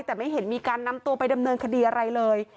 แต่ไม่เห็นมีการนำตัวไปดำเนินคดีอะไรเลย